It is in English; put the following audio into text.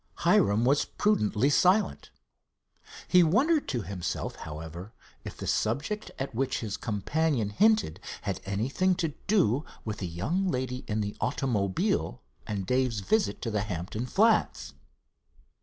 Hiram was prudently silent. He wondered to himself, however, if the subject at which his companion hinted had anything to do with the young lady in the automobile and Dave's visit to the Hampton Flats.